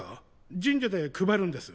神社で配るんです。